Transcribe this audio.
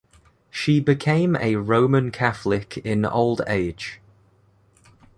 She became a Roman Catholic in old age.